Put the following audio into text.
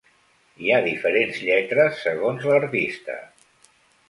Hi ha diferents lletres segons l'artista.